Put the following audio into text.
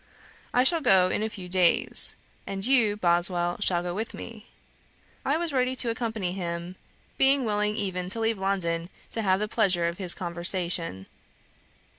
I shall go in a few days, and you, Boswell, shall go with me.' I was ready to accompany him; being willing even to leave London to have the pleasure of his conversation.